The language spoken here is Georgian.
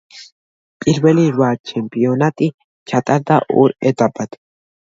პირველი რვა ჩემპიონატი ჩატარდა ორ ეტაპად.